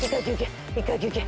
１回休憩！